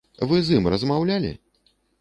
Вы з ім размаўлялі?